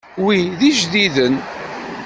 Wi d ijdiden.